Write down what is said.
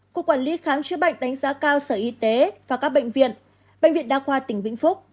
cục quản lý khám chữa bệnh đánh giá cao sở y tế và các bệnh viện bệnh viện đa khoa tỉnh vĩnh phúc